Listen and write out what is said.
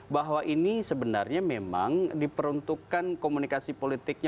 bahwa ini sebenarnya memang diperuntukkan komunikasi politiknya